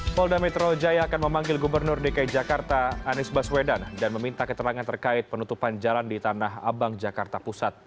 polda metro jaya akan memanggil gubernur dki jakarta anies baswedan dan meminta keterangan terkait penutupan jalan di tanah abang jakarta pusat